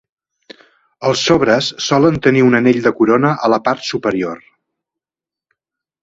Els sobres solen tenir un anell de corona a la part superior.